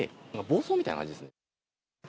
暴走みたいな感じですね。